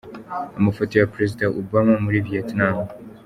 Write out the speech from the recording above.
Amafoto ya Perezida Obama muri Vietnam .